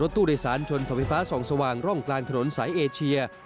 ตู้โดยสารชนเสาไฟฟ้าส่องสว่างร่องกลางถนนสายเอเชีย